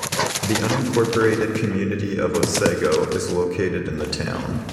The unincorporated community of Otsego is located in the town.